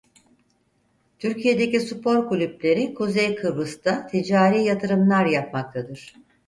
Türkiye'deki spor kulüpleri Kuzey Kıbrıs'da ticari yatırımlar yapmaktadır.